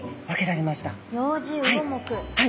はい。